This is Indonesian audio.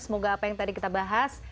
semoga apa yang tadi kita bahas